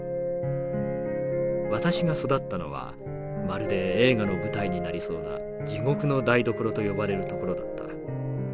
「私が育ったのはまるで映画の舞台になりそうな地獄の台所と呼ばれる所だった。